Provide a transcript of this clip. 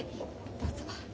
どうぞ。